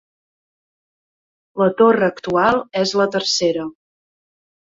La torre actual és la tercera.